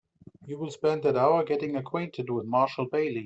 You will spend that hour getting acquainted with Marshall Bailey.